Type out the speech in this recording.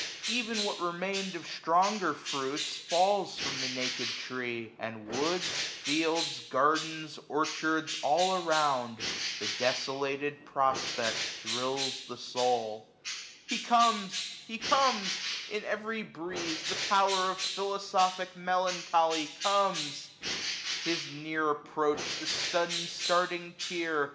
Ev*n what remained Of stronger fruits, falls from the naked tree ; And woods, fields, gardens, orchards, all around 1000 The desolated prospect thrills the soul. He comes! he comes ! in every breeze the Power Of Philosophic Melancholy comes 5 AUTUMN. iS9 I. "'."■''■'■■ 1 =3 His near approach the sudden stardng tear.